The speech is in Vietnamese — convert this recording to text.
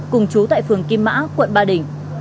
cùng chú tại phường kim mã quận ba đình